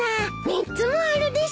３つもあるです。